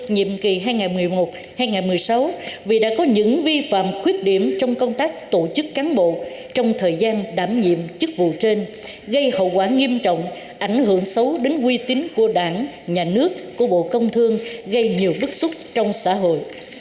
nhiệm kỳ hai nghìn một mươi một hai nghìn một mươi sáu vì đã có những vi phạm khuyết điểm trong công tác tổ chức cán bộ trong thời gian đảm nhiệm chức vụ trên gây hậu quả nghiêm trọng ảnh hưởng xấu đến quy tính của đảng nhà nước của bộ công thương gây nhiều bức xúc trong xã hội